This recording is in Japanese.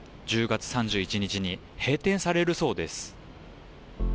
１０月３１日に閉店されるそうです。